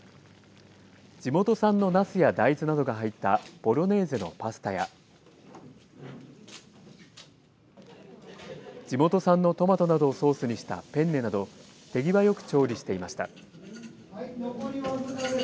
地元産のナスや大豆などが入ったボロネーゼのパスタや地元産のトマトなどをソースにしたペンネなど手際よく調理していました。